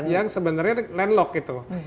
yang sebenarnya landlocked itu